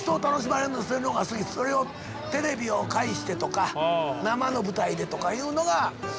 それをテレビを介してとか生の舞台でとかいうのが。